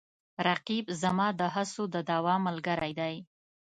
رقیب زما د هڅو د دوام ملګری دی